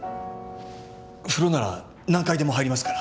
風呂なら何回でも入りますから。